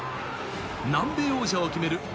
南米王者を決める